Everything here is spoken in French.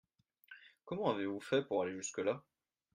Comment avez-vous fait pour aller jusque là ?